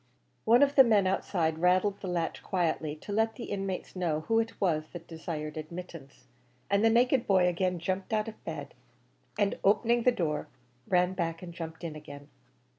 One of the men outside rattled the latch quietly, to let the inmates know who it was that desired admittance; and the naked boy again jumped out of bed, and opening the door, ran back and jumped in again.